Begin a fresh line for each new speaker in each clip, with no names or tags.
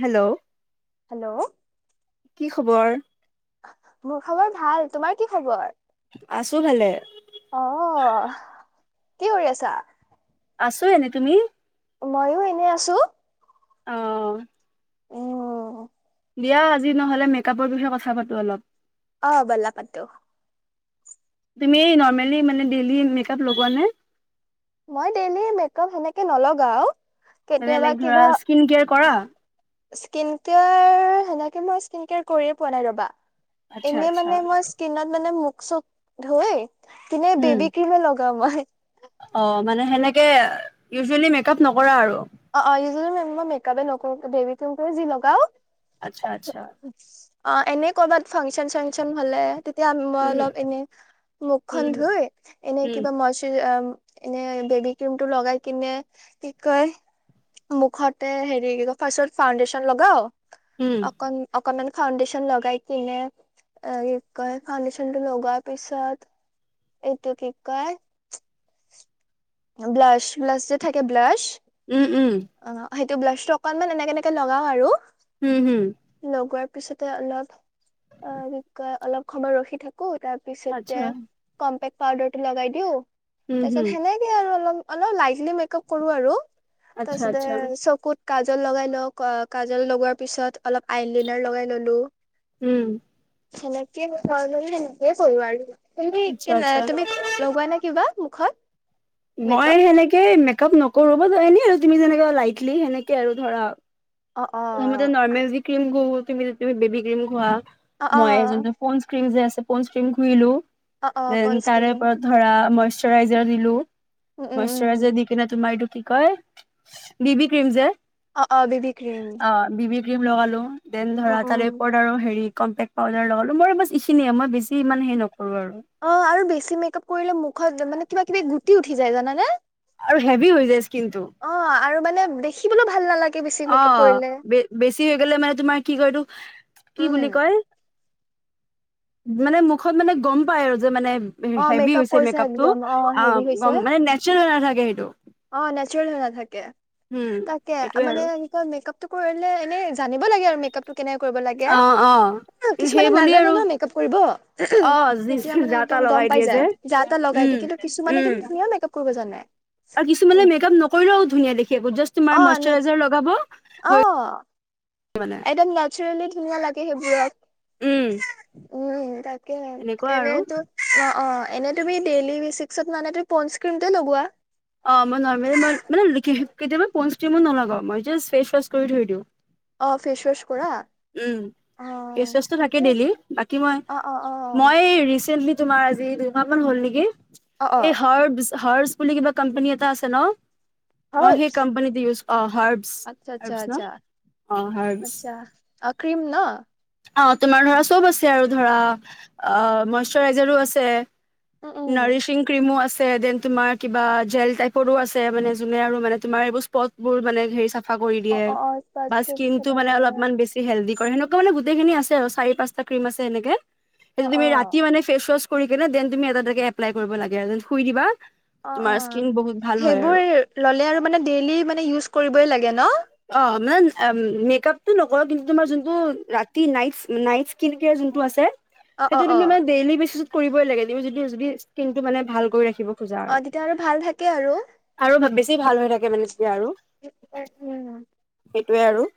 Hello?
Hello
কি খবৰ?
মোৰ খবৰ ভাল, তোমাৰ কি খবৰ?
আছো ভালে।
অ কি কৰি আছা?
আছো এনে, তুমি?
ময়ো এনে আছো।
অ'।
উম
দিয়া আজি নহ'লে মেকআপৰ বিষয়ে কথা পাতো অলপ।
অ', বলা পাতো।
তুমি নৰ্মেলি মানে, ডেইলি মেকআপ লগোৱা নে?
মই ডেইলি মেকআপ সেনেকে নলগাওঁ।
মানে লাইক ধৰা, স্কিন কেয়াৰ কৰা?
স্কিন কেয়াৰ, সেনেকে মই স্কিন কেয়াৰ কৰিয়ে পোৱা নাই ৰ'বা।
আচ্ছা
এনে
আচ্ছা
মানে মই, স্কিনত মানে [unintelligible] তেনে
উম
বেবীক্ৰীম এ লগাওঁ মই।
অ', মানে সেনেকে, ইউজুৱেলি মেক আপ নকৰা আৰু।
অ', অ', উজুৱেলী মই মেক-আপে নকৰো, বেবীক্ৰীমটোয়ে যি লগাওঁ।
আচ্ছা, আচ্ছা।
অ, এনে কৰবাত ফাংচন, চাংচন হলে, তেতিয়া মই
উম
অলপ এনে মুখখন
উম
ধুই, এনে
উম
কিবা মছ এনে বেবীক্ৰীমটো লগাই কিনে, কি কয় মুখতে হেৰি কি কয়, ফাৰ্ষ্টত ফাউণ্ডেশ্যন লগাওঁ।
উম
অকন-অকনমানো ফাউণ্ডেচন লগাই কিনে, এ, কি কয় ফাউণ্ডেচনটো লগোৱাৰ পিছত এইটো কি কয় ব্লাছ, ব্লাছ যে থাকে ব্লাছ
উম উম।
অ', সেইটো ব্লাছটো অকনমান এনেকে এনেকে লগাওঁ আৰু।
হম হম।
লগোৱাৰ পিছতে অলপ, অ', কি কয় অলপ সময় ৰখি থাকি উ, তাৰ পিছতে
আচ্ছা
কম্পেক পাউডাৰ টো লগাই দিওঁ।
উম
তাৰ পিছত
হুম
হেনেকে আৰু অলপ অলপ লাইটলি মেক-আপ কৰো আৰু। তাৰ
আচ্ছা
পিছতে
আচ্ছা
চকুত কাজল লগাই লওঁ। কাজল লগোৱাৰ পিছত অলপ আইলিনাৰ লগাই ললোঁ।
উম।
হেনেকে [unintelligible] হেনেকে কৰোঁ আৰু। তুমি
আচ্ছা
কেনে,
আচ্ছা
তুমি লগোৱা নে কিবা? মুখত
মই
মেকআপ
হেনেকে মেক-আপ নকৰো। মই জেনেৰলি আৰু তুমি যেনেকে লাইটলি হেনেকে আৰু ধৰা।
অ অ
প্ৰথমতে নৰ্মেল যি ক্ৰীম ঘহু তুমি যেনেকে তুমি বেবী ক্ৰীম ঘহাঁ।
অ অ
মই যোনটো পন্দ্চ স্ক্ৰিম যে আছে পন্দ্চ স্ক্ৰিম ঘহিলো
অ অ
দেন
পঞ্চ
তাৰে
ক্ৰীম
ওপৰত ধৰা মই চৰাইজাৰ দিলোঁ।
উম উম উম
মইশ্যৰাইজাৰ দি কিনে তোমাৰ এইটো কি কয়, বেবী ক্ৰিম যে।
অ, অ' বেবী
অ। বেবী ক্ৰীম লগালোঁ‌। দেন
উম
ধৰা
উম
তাৰে ওপৰত আৰু হেৰি কম্পেক্ট পাউাৰ লগালোঁ। মোৰ বছ এইখিনিয়ে। মই বেছি ইমান হেই নক
অ' আৰু বেছি মেক-আপ কৰিলে মুখত মানে কিবা কিবি গুটি উঠি যায় জানানে।
আৰু হেভি হৈ যায় ইচকিন টো।
অ আৰু মানে দেখিবলৈ ভাল নালাগে বেছি মেকআপ
অ'
কৰিলে
বেছি হৈ গলে মানে তোমাৰ কি ক এইটো কি
উম
বুলি কয়? মানে মুখত মানে গম পাই আৰু যে মানে
অ
হেভি
মেকআপ
হৈছে
কৰিছে
মেকআপটো
একদম অ হেভি হৈছে
অ' মানে নেচাৰেল নালাগে। এইটো
অ নেচাৰেল হৈ নাথাকে
উম,
তাকে
এইটোয়ে আৰু
মানে কি কয় মেকআপ টো কৰিলে এনে নি লাগে আৰু মেকপটো কেনে কৰিব লাগে
অ',
অ কিছুমানে
সেইবুলি
নাজানে
আৰু
ন মেকপ কৰিব
অ', যি
তেতিয়া
যা
মানে
তা
একদম
লগাই
গম পাই
দিয়ে যে।
যায় যা তটা লগাই
উম,
দিিয়ে কিন্তু কিছুমানে
উম,
কিন্তু ধুনীয়া মেকআপ কৰিব জানাই
আৰু কিছুমানে মেকআপ নকৰিলেও ধুনীয়া দেখি সেই জাষ্ট
অ
তোমাৰ
নে
মইশৰাইজাৰ লগাব হয়
এটা নেচাৰেলি কি লাগে সে বিয়
উম
তাকে
এনেকুৱা আৰু
এনেইতো অ অ এনেই তুমি ডেইলি বেচিকত মানে ত প্মটো লগোৱা
অ', মই নৰ্মেলি মই মানে কেতিয়াবা প'ণ্ডচ ক্ৰীমো নলগাও মই জাষ্ট ফেচ ৱাছ কৰি থৈ দিওঁ
অ ফেচ ৱাশ কৰা
উম,
অ
ফেচ ৱাছটো থাকে
ঠিক
ডেইলি বাকী মই
অ অ অ
মই ৰিচেন্টলি তোমাৰ আজি দুমাহ মান হ'ল নেকি
অ অ
এই হাৰ হৰ্ ব বুলিুল কিবা কম্পানী এটা আছে ন মই সেই
হাৰ্বছ
কম্পানীতে ইউজ অ হাৰ্বছ
আচ্ছা আচ্ছা
হাৰছ ন
আচ্ছা
অ হাৰ্বছ
আচ্ছা অ ক্ৰীম ন
অ তোমাৰ ধৰা চব আছে আৰু ধৰা অ মইশাৰইজাৰো আছে
উম উম।
নৰিশিং ক্ৰ্ৰীমো আছে ন তোমাৰ কিবা জেল টাইপৰো আছে মানে যোনে আৰু মানে তোমাৰ এইবোৰ স্পট বোৰ মানে হেৰি চফ
অ অ অ স্পৰ্টছটোৰ পিছত আৰু
সেনেুৱা মানে গোটেইিনিছে আৰু চাৰি পচটা ক্ৰীম আছে এনেকে
অ
সেইটো
অ।
তুমি ৰাতি মান ফেচ ৱাশ কৰি কেনে দেনুম এ তে এপ্লাই কৰিব লাগে আৰু যেনু দিবা
অ অ
তোমাৰ স্কিন বহুত ভাল হয় আৰু
ম কৰিবই লাগে ন
মেকপটো ন কিন্তুমাৰ ন ন্ কেোনটো আছে
অ অ
সেইটো
অ
তুমি মে ডেইলি বেছি কৰিবই লাগে তুমি যদি যদি স্কিন টো মানে ভাল কৰি ৰাখিব পূজা
অ
আৰু
তেতিয়া ভাল থাকে আৰু।
আৰু বেছি ভাল হৈ থাকে মানে এয়া আৰু
উম
সেইটয়ে আৰু।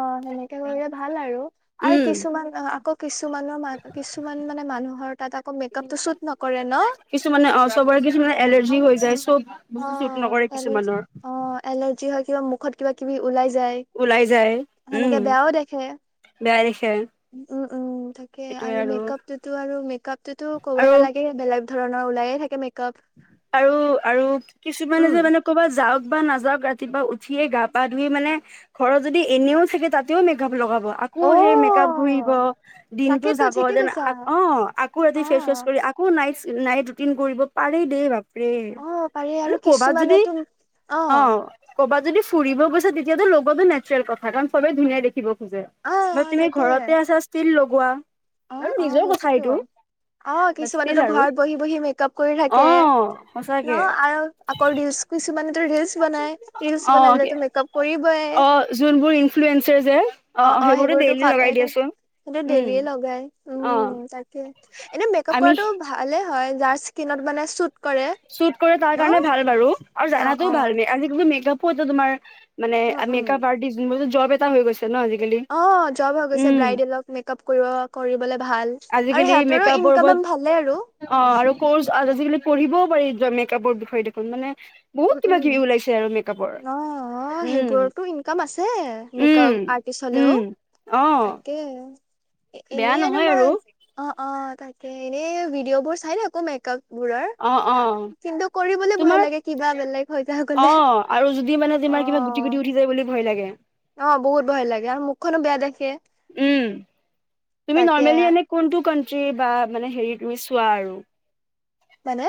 অ' সেনেকে কৰিলে ভাল আৰু আৰু
উম,
কিছুমান আকৌ কিছুমানৰ মান কিছুমান মানে মানুহৰ। তাত আকৌ মেকআপটো চুট নকৰে ন?
কিছুমানে অ চবৰে কিছুমানে এলাৰ্জি হৈ যায়। চব
অ
বস্তু চুট নকৰে
' এলাৰ্জি
কিছুমানৰ
অ ' এলাৰ্জি হয় কিবা মুখত কিবা কিবি ওলাইছে
ওলাই যায় উম বেয়া দেখে।
অ' থাকে আৰু মেকআপ টোতো আৰু মেকআপ টোতো ক'বই
আৰু
নালাগে বেলেগ। ধৰণৰ ওলায়ে থাকে মেক
আৰু আৰু কিছুমানে
উম
যে মানে ক'বাত যাওক বা নাযাওক ৰাতিপুৱা উঠিয়ে গা পা ধুই মানে ঘৰৰত যদি এনেও থাকে তাতেও মেকআপ লগাব আকৌ সেই মেকআপ ঘঁহিব
অ'
দিনটো
তাকেতো
যাব
ঠিকে
যেন
কৈছা
অ' আকৌ
অ
ৰাতি ফেচ কৰি আকৌ ন নাইট ৰুটিন কৰিব। পাৰি দেই বাপ।
অ পাৰি আৰু
মানে ক'বাত যদি
কিছুমানেতো
অ ক'বাত। যদি ফুৰি গৈছে তেতিয়াতো লগত নেচাৰেল কথা কাৰণ সবে ধুনীয়াাই দেখিব।
অ
তুমি
তাকে
ঘৰতে আছা ষ্টিল গোৱা।
অ- অ সকী তো অ
ষ্টিল
কিছুমানেতো
আৰু
ঘৰত বহি বহি মেকআপ কৰি থাকি
অ সঁচাকে
আৰু আকৌ ন কিছুমানেো বনাই লচ বন
অ
মেকাপ কৰিবয়
অ যোনবোৰ ইনফ্লুৱেঞ্চাৰ যে
অ' অ' সেইবোৰতো
ডেইলি লগাই
খোৱাাই
দিয়াচোন
সেইটো
উম
ডেই উ
অ
তাকে এনে মেকাপ
আমি
কৰাটো ভালে হয় যাৰ স্কিনত মানে চুত
চুট কৰে তাৰ কাৰণে ভাল বাৰু আৰু
অ অ
জানাটোও ভাল মেপ তো তোমাৰ মানে
উম
আমি
উম
মেকাপ আৰ্টি ম হৈ গৈছে ন আজিকালি
অ' জব হৈ গৈছে
উম
ব্ৰাইডেলক মেকআপ কৰিব কৰিবলে ভাল আৰু
আজিকালি
সিহঁতৰো
মেকআপৰ ওপৰত
ইনকাম ভালেই আৰু।
পঢ়িব [unintelligible] মেকআপৰ বিষয়ে দেখোন মানে
উ
বহুত কিবা কিবি ওলাইছে আৰু মেকআপৰ
উম অ', অ'
উম
সেইবোৰতো ইনকাম আছে
উম
মেকপ আৰ্টিষ্ট হলেও
উম অ
তাকে
বেয়া
এনেই
নহয় আৰু
[unintelligible] অ', অ। তাকে এনেই ভিডিঅ' বোৰ চাই থাকো মেকআপ বোৰৰ
অ অ
কিন্তু কৰিবলৈ ভয়
তোমাৰ
লাগে বেলেগ হৈ থাক
অ
গলে।
আৰু যদি মানে তোমাৰ কিবা গুটি
অ',
গুটি উঠি যায় বুলি ভয় লাগে
অ বহুত ভয় লাগে আৰু মুখখনো বেয়া দেখে। [unintelligible]
এ তুমি
তাকে
নৰ্মেলি এনে কোনটো [unintelligible] মানে হেৰি তুমি চোৱা আৰু।
মানে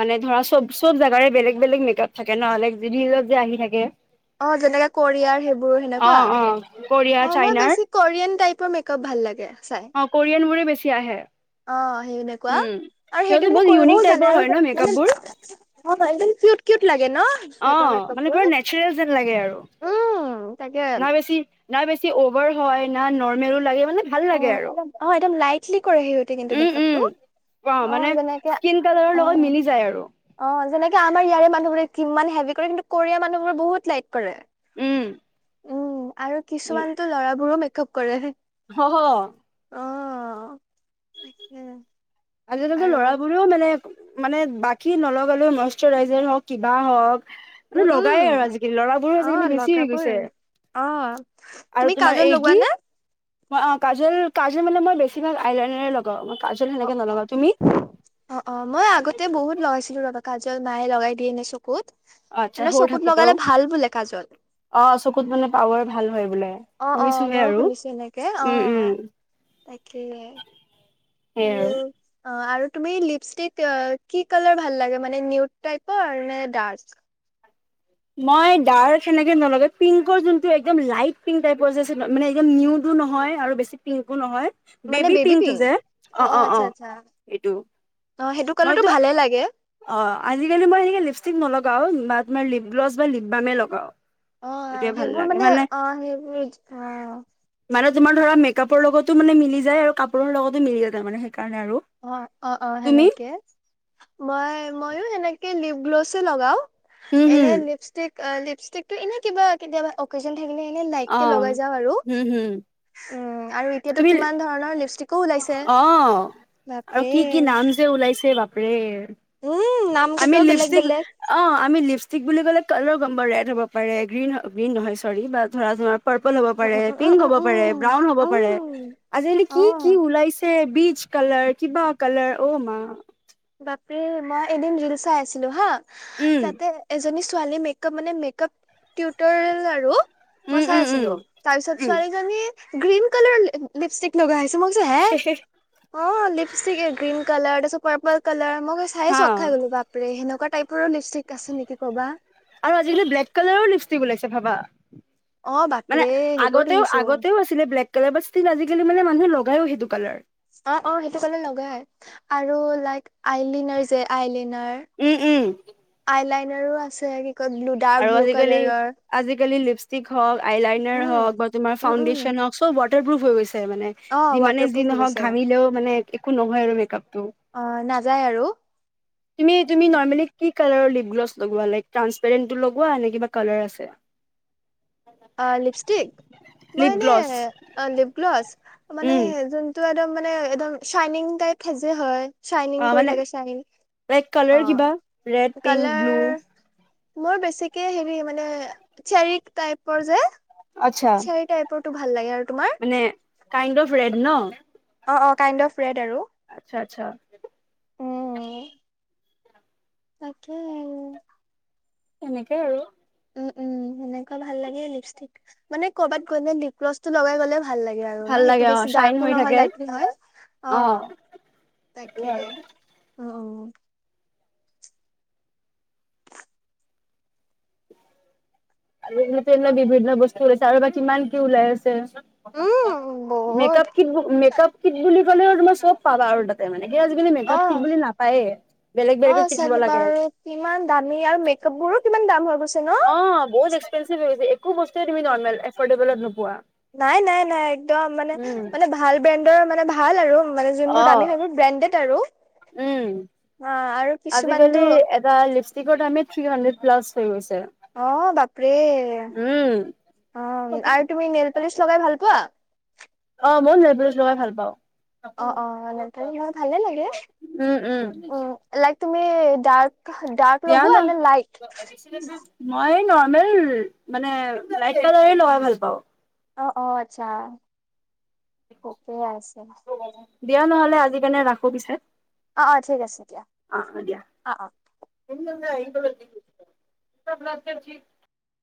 মানে ধৰা চব চব জোগাৰে বেলেগ বেলেগ মেকআপ থাকে নহলে যিত যে আহি থাকে
অ' যেনেকে কোৰিয়াৰ সেইবোৰ
অ
সেনেকুৱা।
অ কোৰিয়া
অ' মই
চাইনাৰ
বেছি কৰিয়ান টাইপৰ মেকআপ ভাল লাগে। চাই
অ' কৰিয়ান বোৰে বে [unintelligible] আহে।
অ'। এনেকুৱা
উম
আৰু
সিহঁতে
সেইটো মানে
বহুত
কৰিবও
ইউনিক টাইপৰ
জানে
হয়
আৰু
ন মেকআপ বোৰ
মানে হয় কিউট কিউট লাগে।
অ মানে পুৰা
[unintelligible] উম। তাকে
ন বেচি না বেছি অভাৰ হয় না নৰ্মেলো লাগে। মানে ভাল
অ'
লাগে আৰু
একদম অ' একদম লাইটলি কৰে সিহতে কিন্তু
উম উম
মেকআপটো
মানে
অ' যেনেকে
স্কিন কালাৰৰ লগত
অ',
মিলি যায় আৰু
অ। আমাৰ ইয়াৰে মানুহবোৰে কিমান হেভি কৰে কিন্তু কোৰিয়াৰ মানুহ বোৰে বহুত লাইট কৰে।
উম।
উম আৰু কিছুমানতো ল'ৰাবোৰো মেকআপ কৰেহে।
হ হ
অ তাকে আৰু
আজিকালিটো মানে মানে বাকী নলগালৈ মইশাৰইজাৰ হওঁক কিবা হওক মানে
উম
লগাই
উম
আৰু আজিকালি ল'ৰাবোৰো
আহ
আজিকালি
ল
বেছি হৈ
কাপোৰ
গৈছে
আহ তুমি কাজল লগোৱানে
ম অ কাজল কাজল মানে মই বেছিভাগ আইনেৰে লগা ওঁ কাজল
অ
সেনেকে নলগাওঁ তুমি।
অ মই আগতে বহুত লৈ আছিলো আগত। কাজল মাহে লগাই দিয়ে ননে চকুত এ
আচ্ছা সৰু
চকুত
থাকোতেও
লগালে ভাল বোলে কাজল
অ চকুত মানে পাৱাৰ ভাল হয় বোলে
অ অ
শুনিছোহে
মইো
আৰু
শুনিছো এনেকে অ
উম উম
তাকেই
হে
আৰু তুমি লিপষ্টিক কি কালাৰ ভাল ল মান নিউপ্
মই ডাৰ্ক সেনেকে নলগে পিংকৰ যোনটো একদম লাইট পিংক টাইপৰ যে মানে একদম নিউডো নহয় আৰু বেছি পিংকো নহয়
মানে
বেবী
বেবি
পিংকটো
পিংক
যে
অ আচ্ছা আচছা
সেইটো
অ সেইটো কালাৰটো
মইতো
ভালে লাগে
অ আজিকালি মই সেক লিপষ্টিক নলগাও মিপ ্লছ বা লিপবামে লগাও
অ
সেইটোৱে ভাল
সেইবোৰ
লাগে
মানে অ সেইবোৰ অ
মানে তোমাৰ ধৰা মেকআপৰ লগতো মানে মিলি যায় আৰু কাপোৰৰ লগতো মিলি যায় মানে
অ অ অ সেনেকে মই মইো এনেকে লিপ গ্ল'ছো লগাও
হুম হুম
এনে লিপষ্টিক অ লিপষ্টিক টো এনে কিবা কেতিয় অ
আহ হম হম
অঁ আৰু এতিয়াতো কিমান ধৰণৰ লিপষ্টিকো ওলাইছে
অ আৰু
বাপৰে
কি কি নাম যে ওলাইছে বাপা
উম, নাম
আ আমি
কেইটাও বেলেগ
লিপষ্টিক
বেলেগ
অ আমি লিপষ্টিক বুলি ক'লে কালৰ গম প ৰেড হ'ব পাৰে গ্ৰীণ গ্ৰীণ নহয় চৰি বা ধৰা ধ পাৰ্পল হব
উম,
পাৰে
উম, উম,
পিংক
উম,
হব পাৰে
উম,
ব্ৰাউন হ'ব
উম,
পাৰে
উম
আজিকালি কি কি
অ'।
ওলাইছে বীজ কালাৰ কিবা কালাৰ অ মা
তাপি মই এদিন ৰিল চাই আছিলো হা
উম
তাতে এজনী ছোৱালী মেকপ মানে মেকপ টিউটৰিয়েল আৰু মই
উম
চাই
উম উম
আছিলো তাৰ পিছত
উম
ছোৱালীজনী গ্ৰীণ কালাৰ লিপষ্টিক লগাছে চমোছে হে? অ', লিপষ্টিক এ গ্ৰীন কালাৰ তাৰপিছত পাৰ্পল। কালাৰ। মই চাই
হা
চক খাই গলোঁ বাপৰে সেনোক। [unintelligible] টাইপৰ লিপষ্টিক আছে নেকি ক'বা।
আৰু আজিকালি ব্লেক কালাৰৰ লিপষ্টিক ওলাইছে ভাবা।
অ
মানে
বাপৰে সেইবোৰ
আগতেও
দেখিছো
আগতেও আছিলে ব্লেক কালাৰ বাট ষ্টিল আজিকালি মানে মানুহে লগ। লগায়ও সেইটো কালাৰ।
অ', অ', সেইটো কালাৰ লগাই আৰু লাইক। আইলিনাৰ যে আইলিনাৰ
উম উম
আইলাইনৰ। [unintelligible] আছে। কয় ব্লু ডাৰ্ক
আৰু
ব্লু
আজিকালি
কালাৰৰ
আজিকালি লিপ। ষ্টিক হওক। আইলাইনাৰ
উম
হওক বা তোমাৰ
উম উম
ফাউণ্ডেশ্যন হওক চব ৱাট। ৱাটাৰ প্ৰুফ হৈ গৈছে। মানে
অ
যিমানে
ৱাটাৰ
যি
প্ৰুফ হৈ
নহওক
গৈছে
ঘামিলেও মানে। একো নহয় আৰু মেকআপ।
অ নাযায় আৰু
তুমি তুমি নৰ্মেলি কি। কালাৰৰ লিপ গ্লছ লগোৱা লাইক ট্ৰান্স। পাৰেণ্টটো লগোৱা নে কিবা কালাৰ আছে।
অ', লিপষ্টিক ম
লিপ
ই
গ্লছ
এনে অ', লিপ গ্লছ। মানে
উম
সেইজন। টো একদম মানে একদম চাইনিং টাইপ সাজে হয়। চাইনিং
অ'
কৰি
মানে
থাকে চাইনিং
লাইক
অ
কালাৰ কিবা ৰেড, পিংক, ব্লু।
কালাৰ মোৰ বেছিকে হেৰি মানে চেৰিক টাইপ। পৰ যে।
আচ্ছা
চেৰিটাইপৰ। তো ভাল লাগে আৰু। তোমাৰ
মানে কাইণ্ড অফ ৰেড ন?
অ', অ', কাইণ্ড অফ ৰেড আৰু।
আচ্ছা, আচ্ছা।
উম। তাকেই আৰু।
তেনেকে আৰু।
উম, উম সেনেকুৱা ভাল লাগে লিপষ্টিক মানে কৰ'বাত গলে লিপ গ্লছ টো লগাই গ'লে। ভাল লাগে আৰু
ভাল
ন
লাগে
সেইটো
অ
বেছি
চাইন
ডাৰ্কো
হৈ
নহয়
থাকে
লাইট নহয় অ'
সেইটোৱে
তাকে।
আৰু
অ' অ'
আৰু এনে এ বিভিন্ন বস্তু ওলাইছে, আৰু বা কিমান কি ওলাই আছে।
উম বহুত
মেকআপ কি মেকআপ ত বুলি ক'লে তোমাৰ চব পাবা আৰু তাতে মানে। কি আজিকালি
অ!
মেকআপ কিট বুলি নাপায়ে বেলেগ
অ!
বেলেগে কিনিব
চাগে
লাগে
বাৰু কিমান দামী আৰু মেকআপ বোৰো কিমান দাম হৈ গৈ
অ' বহুত এক্সপেনচিভ হৈ গৈছে। একো বস্তুৱে, তুমি নৰ্মেল এফৰ্ডেবলত নোপোৱা।
নাই, নাই, নাই একদম মানে,
উম
মানে ভাল ব্ৰেণ্ড মানে ভাল আৰু মানে যোনবোৰ
অ
দামী, সেইবোৰ ব্ৰেণ্ডেড আৰু
উম
অ' আৰু কিছুমানতো
আজিকালি এটা লিপষ্টিকত আমি থ্ৰি হান্দ্ৰ্ড প্লাছ হৈ গৈছে।
অ! বাপৰে,
উম।
অ! আৰু তুমি নেল পালিচ লগাই ভাল পোৱা?
অ' মইও লিপ গ্লচ্ছ লগাই ভাল পাওঁ।
অ' অ' ন মই ভালে লাগে,
উম উম
উ! তুমি ডাৰ্ক, ডাৰ্ক
দিয়া ন
লগোৱা নে লাইট?
মই নৰ্মেল মানে, লাইট কালাৰ লগাই ভাল পাওঁ।
অ' অ' আচ্ছা। ঠিকেই আছে।
দিয়া নহ'লে, আজি কেনে ৰাখো পিছে।
অ' অ' ঠিক আছে দিয়া।
অ অ দিয়া।
অ' অ '
[inaudible]